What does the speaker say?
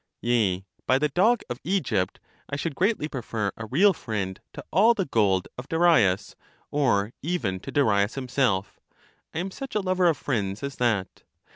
Yea, by the dog of Egypt, I should greatly prefer a real friend to all the gold of Darius, or even to Darius himself : I am such a lover of friends as that.